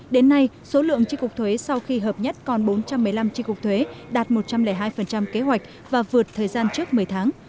đến nay số lượng tri cục thuế sau khi hợp nhất còn bốn trăm một mươi năm tri cục thuế đạt một trăm linh hai kế hoạch và vượt thời gian trước một mươi tháng